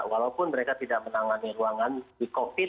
walaupun mereka tidak menangani ruangan di covid